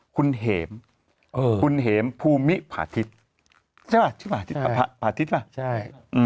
คุณเหมคุณเห็มภูมิพาทิศใช่ป่ะชื่อป่าพาทิศป่ะใช่